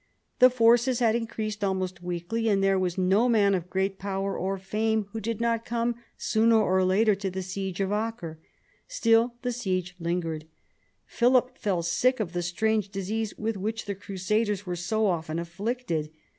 The forces had increased almost weekly, and "there was no man of great power or fame who did not come sooner or later to the siege of Acre." Still the siege lingered. Philip fell sick of the strange disease with which the crusaders were so often afflicted.